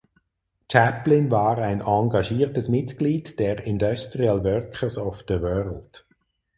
Chaplin war ein engagiertes Mitglied der Industrial Workers of the World.